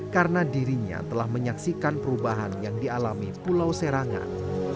karena dirinya telah menyaksikan perubahan yang dialami pulau serangan